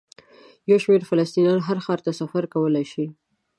یو شمېر فلسطینیان هر ښار ته سفر کولی شي.